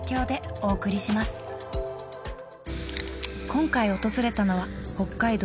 今回訪れたのは北海道